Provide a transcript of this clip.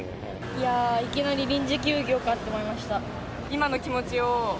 いきなり臨時休業かって思いました。